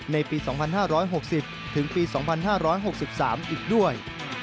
ในปี๒๕๖๐ถึงปี๒๕๖๓อีกด้วย